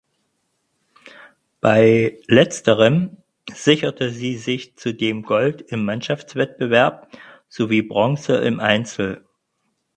Bei letzteren sicherte sie sich zudem Gold im Mannschaftswettbewerb sowie Bronze im Einzel.